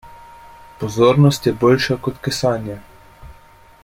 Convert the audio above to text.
Pozornost je boljša kot kesanje.